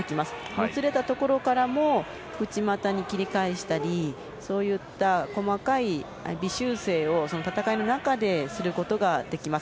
もつれたところからも内股に切り返したりそういった細かい微修正を戦いの中ですることができます。